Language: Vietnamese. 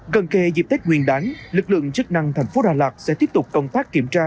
gần kề dịp tết nguyên đáng lực lượng chức năng thành phố đà lạt sẽ tiếp tục công tác kiểm tra